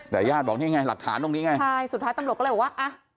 แต่ญาติบอกนี่ไงหลักฐานตรงนี้ไงใช่สุดท้ายตำรวจก็เลยบอกว่าอ่ะ